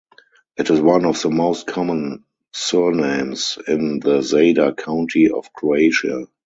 It is one of the most common surnames in the Zadar County of Croatia.